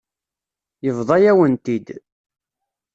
Yebḍa-yawen-t-id.